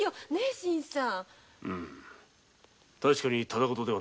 新さん。